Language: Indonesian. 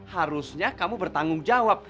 harusnya kamu bertanggung jawab